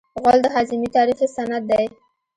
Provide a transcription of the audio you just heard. غول د هاضمې تاریخي سند دی.